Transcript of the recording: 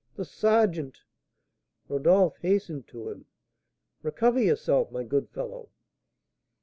the sergeant!" Rodolph hastened to him: "Recover yourself, my good fellow!"